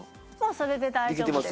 それで大丈夫です。